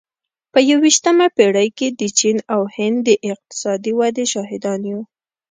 په یوویشتمه پېړۍ کې د چین او هند د اقتصادي ودې شاهدان یو.